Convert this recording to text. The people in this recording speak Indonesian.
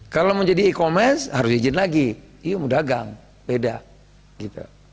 kalau mau jadi e commerce harus diajin lagi iya mau dagang beda gitu